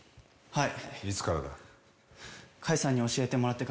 はい。